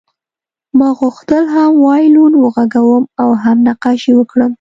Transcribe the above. ما غوښتل هم وایلون وغږوم او هم نقاشي وکړم